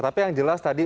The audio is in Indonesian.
tapi yang jelas tadi